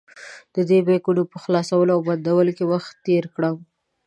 ددې بیکونو په خلاصولو او بندولو کې وخت تېر کړم.